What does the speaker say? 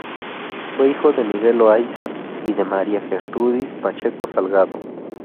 Fue hijo de Miguel Loayza y de María Gertrudis Pacheco Salgado.